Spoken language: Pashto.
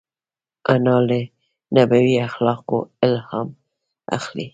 انا له نبوي اخلاقو الهام اخلي